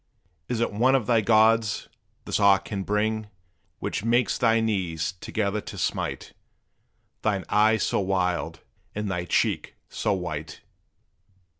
Is it one of thy gods this awe can bring, Which makes thy knees together to smite, Thine eye so wild, and thy cheek so white?